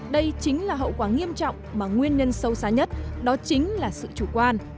đây chính là hậu quả nghiêm trọng mà nguyên nhân sâu xa nhất đó chính là sự chủ quan